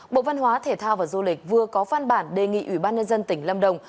bộ văn hóa thể thao và du lịch vừa có phan bản đề nghị ủy ban nhân dân tỉnh lâm đồng